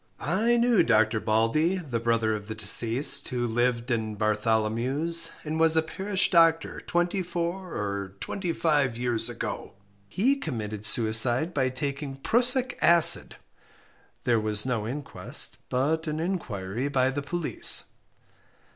I knew Dr. Baldey, the brother of the deceased, who lived in Bartholomews, and was a parish doctor twenty four or twenty five years ago. He committed suicide by taking prussic acid. There was no inquest, but an inquiry by the police.